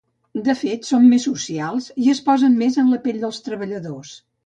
De fet, són més socials i es posen més en la pell dels treballadors.